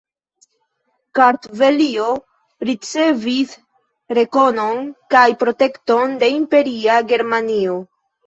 Kartvelio ricevis rekonon kaj protekton de Imperia Germanio.